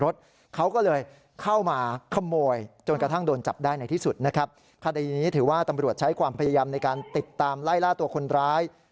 ตำรวจใช้ความพยายามในการติดตามไล่ล่าตัวคนร้าย